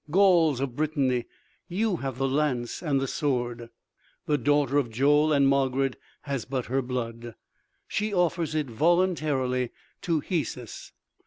"Gauls of Britanny, you have the lance and the sword! "The daughter of Joel and Margarid has but her blood. She offers it voluntarily to Hesus!